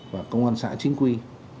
và công an xã chính quy